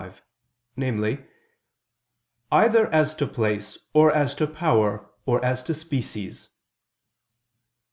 25): namely, "either as to place, or as to power, or as to species."